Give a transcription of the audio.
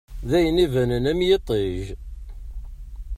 D ayen ibanen am yiṭij.